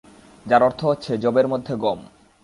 যার অর্থ হচ্ছে যবের মধ্যে গম।